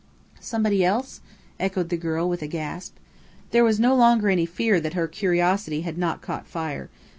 "Somebody else?" echoed the girl with a gasp. There was no longer any fear that her curiosity had not caught fire.